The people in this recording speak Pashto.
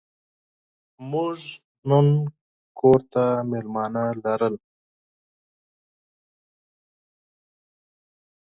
موږ نن کور ته مېلمانه لرل.